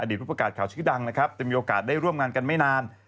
ผู้ประกาศข่าวชื่อดังนะครับจะมีโอกาสได้ร่วมงานกันไม่นาน